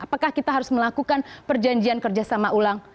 apakah kita harus melakukan perjanjian kerja sama ulang